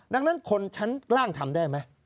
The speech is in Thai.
ดังนั้นคนชั้นล่างทำได้ไหม